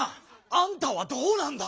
あんたはどうなんだ？